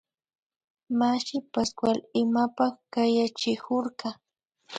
Mashi Pascual imapak kayachikurka